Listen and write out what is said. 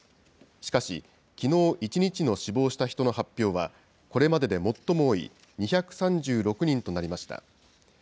しかし、きのう１日の死亡した人の発表は、これまでで最も多い２３６人となりました。